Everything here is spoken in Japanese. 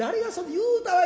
「言うたわい。